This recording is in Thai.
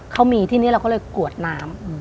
เขามีที่นี้เราก็เลยกรวดน้ำ